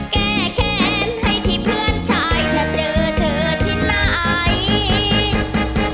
แก้แค้นให้ที่เพื่อนชายเธอเจอเธอที่ไหน